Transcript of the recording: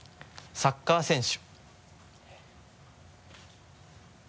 「サッカー選手」